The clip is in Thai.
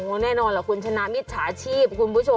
แน่นอนแหละคุณคุณคุรชนะมิตรฉาชีพคุณผู้ชม